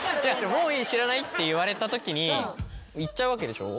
「もういい知らない！」って言われたときに行っちゃうわけでしょ？